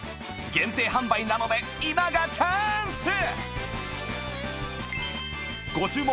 限定販売なので今がチャンス！